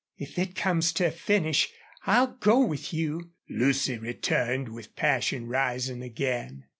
"If it comes to a finish, I'll go with you," Lucy returned, with passion rising again.